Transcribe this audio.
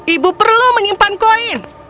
ibu perlu menyimpan koin